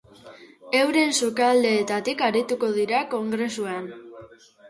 Euren sukaldeetatik arituko dira kongresuan.